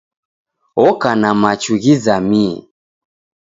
Oka na machu ghizamie